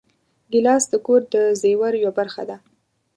ګیلاس د کور د زېور یوه برخه ده.